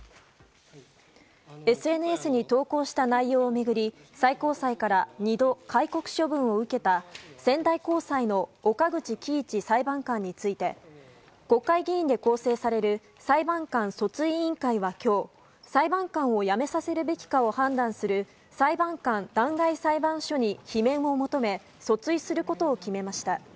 ＳＮＳに投稿した内容を巡り最高裁から二度戒告処分を受けた仙台高裁の岡口基一裁判官について国会議員で構成される裁判官訴追委員会は今日裁判官を辞めさせるべきかを判断する、裁判官弾劾裁判所に罷免を求め訴追することを決めました。